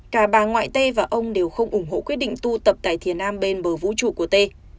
cả bà ngoại tê và ông đều không ủng hộ quyết định tu tập tại thiên nam bên bờ vũ trụ của tê